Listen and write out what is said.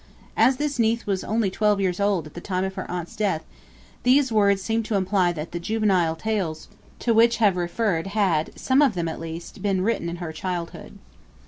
As this niece was only twelve years old at the time of her aunt's death, these words seem to imply that the juvenile tales to which I have referred had, some of them at least, been written in her childhood.